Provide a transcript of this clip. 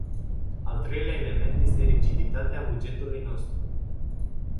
Al treilea element este rigiditatea bugetului nostru.